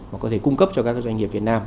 mà có thể cung cấp cho các doanh nghiệp việt nam